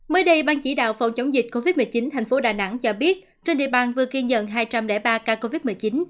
mới đây ban chỉ đạo phòng chống dịch covid một mươi chín thành phố đà nẵng cho biết trên địa bàn vừa ghi nhận hai trăm linh ba ca covid một mươi chín